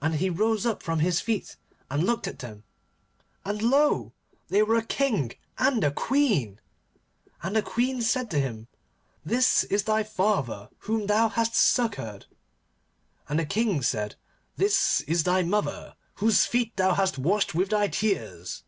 And he rose up from his feet, and looked at them, and lo! they were a King and a Queen. And the Queen said to him, 'This is thy father whom thou hast succoured.' And the King said, 'This is thy mother whose feet thou hast washed with thy tears.